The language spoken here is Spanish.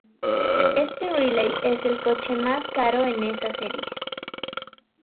Este Riley es el coche más caro en esa serie.